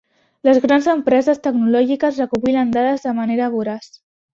Les grans empreses tecnològiques recopilen dades de manera voraç.